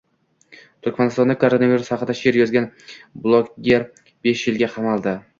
Turkmanistonda koronavirus haqida she’r yozgan blogerbeshyilga qamaldi